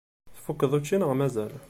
Tfukkeḍ učči neɣ mazal?